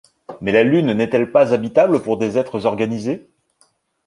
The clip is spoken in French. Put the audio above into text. Mais la Lune n’est-elle pas habitable pour des êtres organisés ?